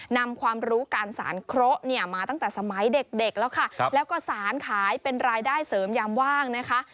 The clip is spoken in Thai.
นำความรู้การสารเคราะห์เนี่ยมาตั้งแต่สมัยเด็กแล้วค่ะแล้วก็สารขายเป็นรายได้เสริมยามว่างนะคะ